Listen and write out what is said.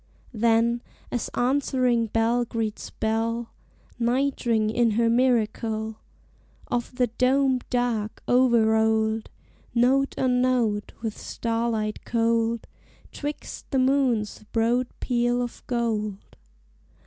Then, as answering bell greets bell, Night ring in her miracle Of the doméd dark, o'er rolled, Note on note, with starlight cold, 'Twixt the moon's broad peal of gold.